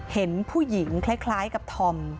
เห็นผู้หญิงคล้ายกับธอม